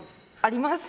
あります！